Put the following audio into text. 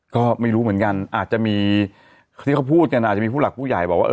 ก็ไม่รู้เหมือนกันอาจจะมีที่เขาพูดกันอาจจะมีผู้หลักผู้ใหญ่บอกว่า